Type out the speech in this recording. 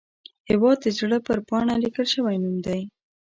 هیواد د زړه پر پاڼه لیکل شوی نوم دی